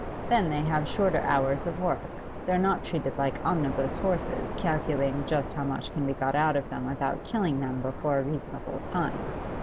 Then they have shorter hours of work; they're not treated like omnibus horses, calculating just how much can be got out of them without killing them before a reasonable time.